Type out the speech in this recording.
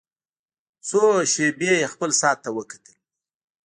څو شېبې يې خپل ساعت ته وکتل.